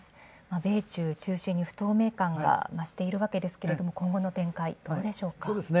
米中中心に不透明感増していますが今後の展開どうでしょう。